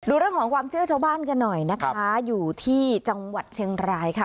เรื่องของความเชื่อชาวบ้านกันหน่อยนะคะอยู่ที่จังหวัดเชียงรายค่ะ